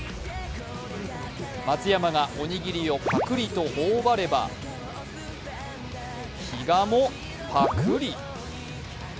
松山が、おにぎりをパクリと頬ばれば、比嘉もパクリ。